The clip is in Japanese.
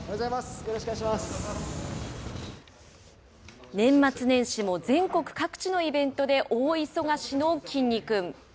よろし年末年始も全国各地のイベントで大忙しのきんに君。